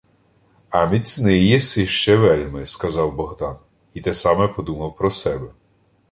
— А міцний єси ще вельми, — сказав Богдан, і те саме подумав про себе.